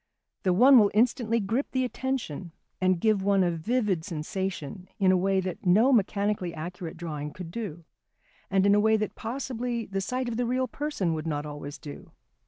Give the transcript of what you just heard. The one will instantly grip the attention and give one a vivid sensation in a way that no mechanically accurate drawing could do, and in a way that possibly the sight of the real person would not always do.